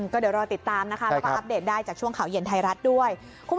ก็เดี๋ยวรอติดตามนะคะแล้วก็อัปเดตได้จากช่วงข่าวเย็นไทยรัฐด้วย